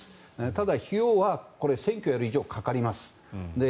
ただ、費用は選挙をやる以上、かかります。